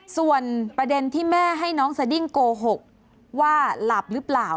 ส่วนประเด็นที่แม่ให้น้องสดิ้งโกหกว่าหลับหรือเปล่า